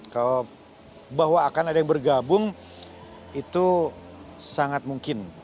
kalau bahwa akan ada yang bergabung itu sangat mungkin